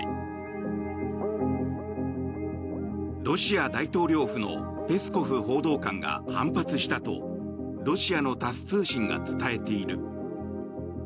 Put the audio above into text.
ロシア大統領府のペスコフ報道官が反発したとロシアのタス通信が伝えている。